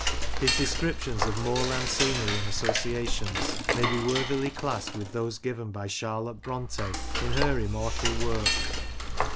His descriptions of moorland scenery and associations may worthily be classed with those given by Charlotte Bronte in her immortal work.